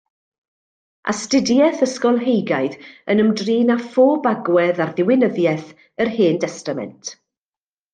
Astudiaeth ysgolheigaidd yn ymdrin â phob agwedd ar ddiwinyddiaeth yr Hen Destament.